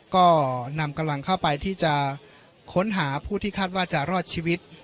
ก็นำกำลังเข้าไปที่จะค้นหาผู้ที่คาดว่าจะรอดชีวิต